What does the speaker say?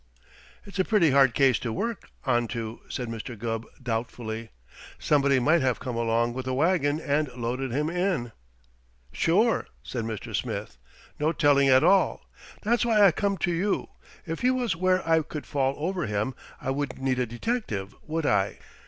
"It's a pretty hard case to work onto," said Mr. Gubb doubtfully. "Somebody might have come along with a wagon and loaded him in." "Sure!" said Mr. Smith. "No telling at all. That's why I come to you. If he was where I could fall over him, I wouldn't need a detective, would I?